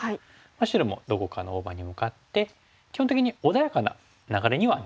白もどこかの大場に向かって基本的に穏やかな流れにはなりますね。